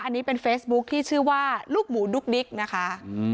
อันนี้เป็นเฟซบุ๊คที่ชื่อว่าลูกหมูดุ๊กดิ๊กนะคะ